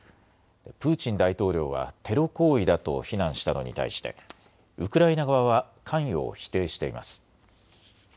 プーチン大統領はテロ行為だと非難したのに対してウクライナ側は関与を否定しています。